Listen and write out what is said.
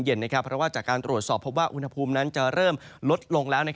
เพราะว่าจากการตรวจสอบพบว่าอุณหภูมินั้นจะเริ่มลดลงแล้ว